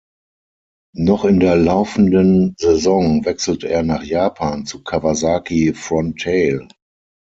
Noch in der laufenden Saison wechselte er nach Japan zu Kawasaki Frontale.